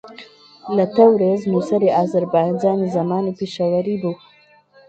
لە تەورێز نووسەری ئازەربایجانی زەمانی پیشەوەری بوو